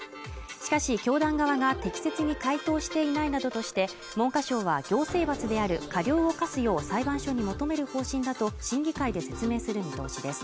しかし教団側が適切に回答していないなどとして文科省は行政罰である過料を科すよう裁判所に求める方針だと審議会で説明する見通しです